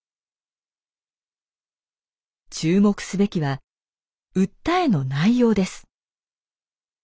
注目すべきは訴えの内容です。